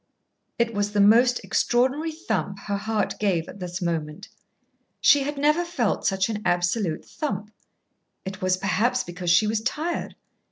It was the most extraordinary thump her heart gave at this moment. She had never felt such an absolute thump. It was perhaps because she was tired.